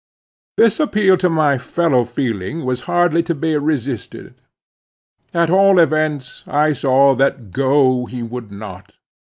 This appeal to my fellow feeling was hardly to be resisted. At all events, I saw that go he would not.